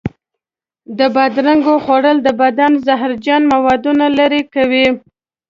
د بادرنګو خوړل د بدن زهرجن موادو لرې کوي.